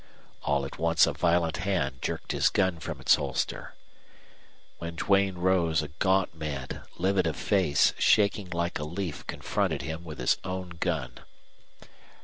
All at once a violent hand jerked his gun from its holster. When Duane rose a gaunt man, livid of face, shaking like a leaf, confronted him with his own gun.